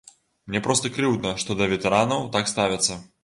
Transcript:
Мне проста крыўдна, што да ветэранаў так ставяцца.